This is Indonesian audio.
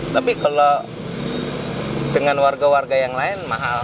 tapi kalau dengan warga warga yang lain mahal